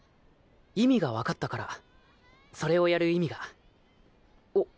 意味がわかったからそれをやる意味があっ。